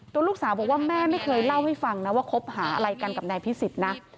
ตัวลูกสาวบอกว่าแม่ไม่เคยเล่าให้ฟังนะว่าคบหาอะไรกันกับนายพิสิทธิ์นะ